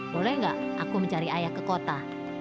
boleh nggak aku mencari ayah ke kota